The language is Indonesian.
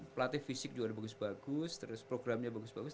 pelatih fisik juga udah bagus bagus terus programnya bagus bagus